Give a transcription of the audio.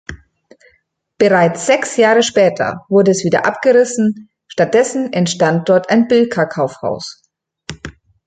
Bereits sechs Jahre später wurde es wieder abgerissen, stattdessen entstand dort ein Bilka-Kaufhaus.